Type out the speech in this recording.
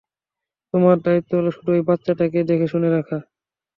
তোমার দায়িত্ব হলো শুধু এই বাচ্চাটাকে দেখেশুনে রাখা।